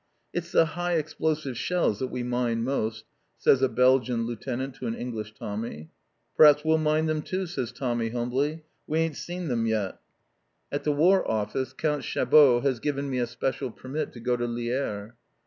"It's the high explosive shells that we mind most," says a Belgian Lieutenant to an English Tommy. "P'raps we'll mind them too," says Tommy humbly. "We ain't seen them yet!" At the War Office, Count Chabeau has given me a special permit to go to Lierre.